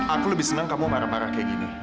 aku lebih senang kamu marah marah kayak gini